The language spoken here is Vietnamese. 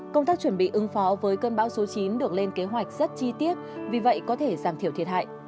công tác chuẩn bị ứng phó với cơn bão số chín được lên kế hoạch rất chi tiết vì vậy có thể giảm thiểu thiệt hại